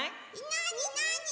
なになに？